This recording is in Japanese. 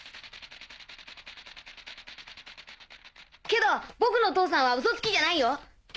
けど僕の父さんはウソつきじゃないよ。